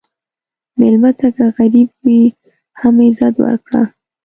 مېلمه ته که غریب وي، هم عزت ورکړه.